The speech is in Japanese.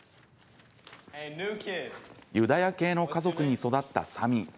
ユダヤ系の家族に育ったサミー。